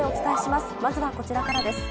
まずはこちらからです。